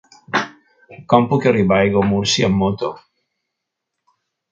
Com puc arribar a Aiguamúrcia amb moto?